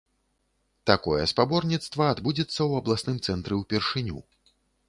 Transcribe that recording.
Такое спаборніцтва адбудзецца ў абласным цэнтры ўпершыню.